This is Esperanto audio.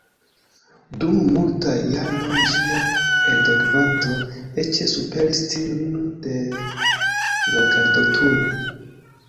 Dum multaj jaroj ĝia eldonkvanto eĉ superis tiun de "La Gardoturo".